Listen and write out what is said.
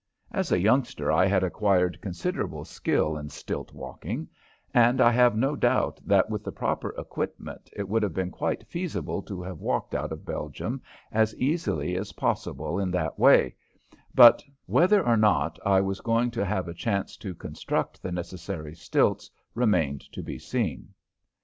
As a youngster I had acquired considerable skill in stilt walking, and I have no doubt that with the proper equipment it would have been quite feasible to have walked out of Belgium as easily as possible in that way, but whether or not I was going to have a chance to construct the necessary stilts remained to be seen.